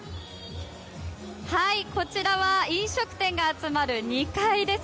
こちらは飲食店が集まる２階です。